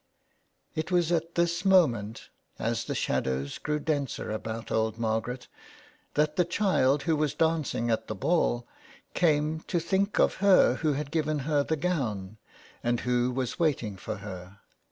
It was at this moment, as the shadows grew denser about old Margaret, that the child who was dancing at the ball came to think of her who had given her her gown, and who was waiting for her.